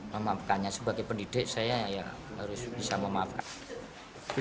memaafkannya sebagai pendidik saya ya harus bisa memaafkan